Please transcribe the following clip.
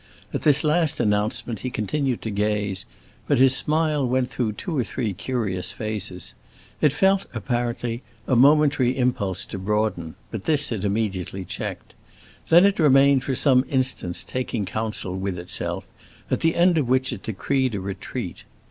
At this last announcement he continued to gaze; but his smile went through two or three curious phases. It felt, apparently, a momentary impulse to broaden; but this it immediately checked. Then it remained for some instants taking counsel with itself, at the end of which it decreed a retreat.